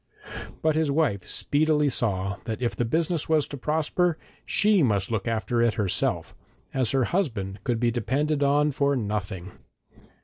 But his wife speedily saw that if the business was to prosper she must look after it herself, as her husband could be depended on for nothing.